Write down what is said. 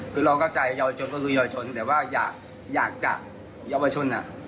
คือเราเข้าใจเยาวชนก็คือเยาวชนแต่ว่าอยากจะเยาวชน